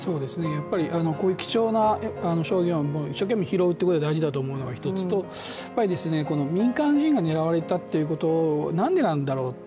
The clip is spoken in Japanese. やっぱりこういう貴重な証言を一生懸命拾うという行為が大事だというのが一つとやっぱり民間人が狙われたってこと、なんでなんだろうって